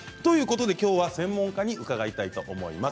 きょうは専門家に伺いたいと思います。